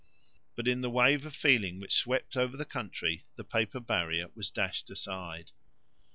But in the wave of feeling which swept over the country the paper barrier was dashed aside.